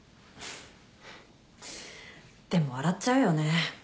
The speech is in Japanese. でも笑っちゃうよね。